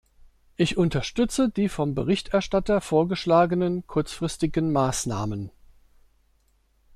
Ich unterstütze die vom Berichterstatter vorgeschlagenen kurzfristigen Maßnahmen.